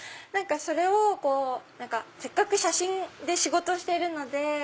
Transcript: それをせっかく写真で仕事してるので。